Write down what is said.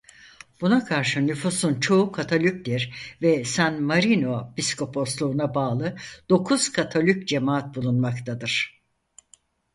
Buna karşın nüfusun çoğu Katoliktir ve San Marino piskoposluğuna bağlı dokuz Katolik cemaat bulunmaktadır.